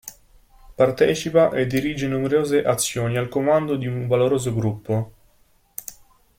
Partecipa e dirige numerose azioni al comando di un valoroso gruppo.